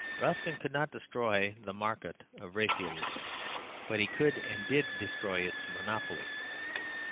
Ruskin could not destroy the market of Raphaelism, but he could and did destroy its monopoly.